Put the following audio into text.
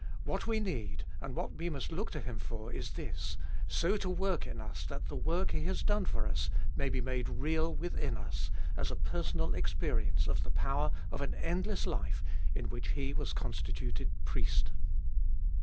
What we need, and what we must look to Him for is this, so to work in us that the work He has done for us may be made real within us, as a personal experience of the power of an endless life in which He was constituted Priest.